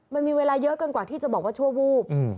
มันมีเวลาเยอะเกินกว่าที่จะบอกว่าชั่ววูบ